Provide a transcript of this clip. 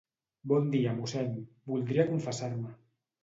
Bon dia, mossèn, voldria confessar-me.